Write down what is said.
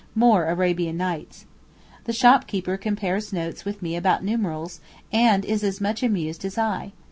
More Arabian Nights. The shopkeeper compares notes with me about numerals, and is as much amused as I.